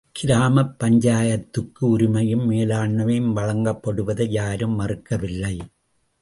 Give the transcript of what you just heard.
கிராம பஞ்சாயத்துகளுக்கு உரிமையும் மேலாண்மையும் வழங்கப்படுவதை யாரும் மறுக்கவில்லை.